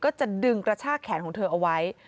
ก็จะดึงกระชากแขนของเธอเอาไว้